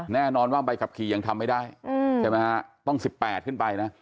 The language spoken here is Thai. แน่นอนว่าใบขับขี่ยังทำไม่ได้ใช่ไหมฮะต้อง๑๘ขึ้นไปนะ